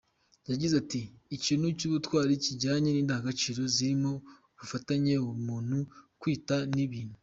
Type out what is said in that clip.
Yagize ati “Ikintu cy’ubutwari kijyanye n’indangagaciro, zirimo ubufatanye, ubuntu, kwitanga n’ibindi.